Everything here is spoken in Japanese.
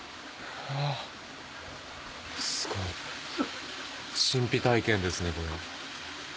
すごい神秘体験ですね。